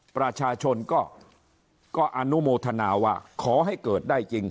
ประชาชนก็อนุโมทนาว่าขอให้เกิดได้จริง